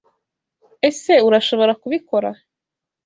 Ese Urashobora kubikora.